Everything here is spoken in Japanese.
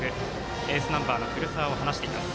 エースナンバーの古澤について話しています。